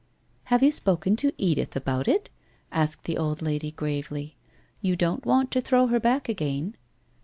'Have you spoken to Edith about it?' asked the old lady gravely. ' You don't want to throw her back again